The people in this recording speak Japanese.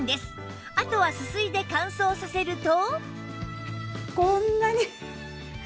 あとはすすいで乾燥させると